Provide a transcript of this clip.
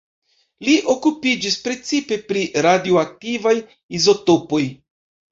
Li okupiĝis precipe pri radioaktivaj izotopoj.